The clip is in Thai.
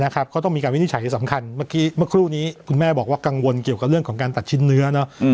เขาต้องมีการวินิจฉัยสำคัญเมื่อกี้เมื่อครู่นี้คุณแม่บอกว่ากังวลเกี่ยวกับเรื่องของการตัดชิ้นเนื้อ